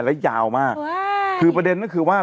ได้ยาวมากคือประเด็นนั้นคือว่า